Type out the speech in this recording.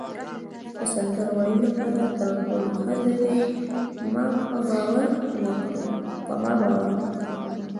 د سندرو ویلو لپاره تر ټولو ښه ځای دی، په ما باور وکړئ.